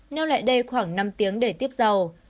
nêu lại đây khoảng năm tiếng để tiếp dầu